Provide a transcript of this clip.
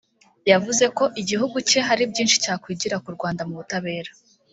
yavuze ko igihugu cye hari byinshi cyakwigira ku Rwanda mu butabera